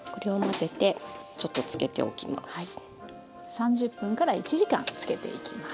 ３０分１時間漬けていきます。